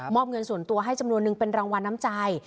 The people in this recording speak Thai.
อบเงินส่วนตัวให้จำนวนนึงเป็นรางวัลน้ำใจ